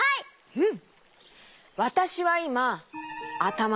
うん。